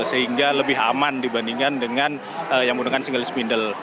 sehingga lebih aman dibandingkan dengan yang menggunakan single spindel